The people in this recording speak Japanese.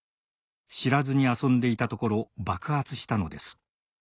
知らずに遊んでいたところ爆発したのです。